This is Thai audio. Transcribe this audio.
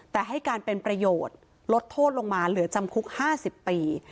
แต่ให้การเป็นประโยชน์ลดโทษลงมาเหลือจำคุก๕๐ปี